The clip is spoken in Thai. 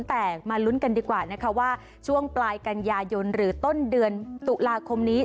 แต่มาลุ้นกันดีกว่านะคะว่าช่วงปลายกันยายนหรือต้นเดือนตุลาคมนี้